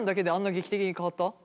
劇的に変わった？